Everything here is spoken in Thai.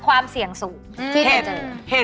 ความเสี่ยงสูงที่จะเจอ